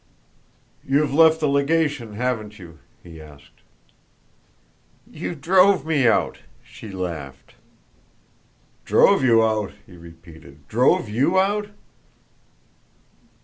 "You've left the legation, haven't you?" he asked. "You drove me out," she laughed. "Drove you out?" he repeated. "Drove you out?"